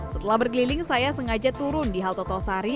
setelah berkeliling saya sengaja turun di halte tosari